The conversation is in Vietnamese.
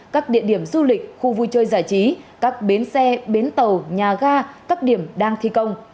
các địa điểm du lịch khu vui chơi giải trí các bến xe bến tàu nhà ga các điểm đang thi công